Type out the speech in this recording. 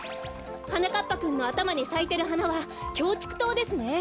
はなかっぱくんのあたまにさいてるはなはキョウチクトウですね。